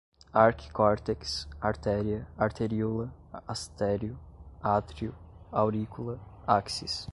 arquicórtex, artéria, arteríola, astério, átrio, aurícula, áxis